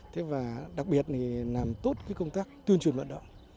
thế và đặc biệt thì làm tốt cái công tác tuyên truyền vận động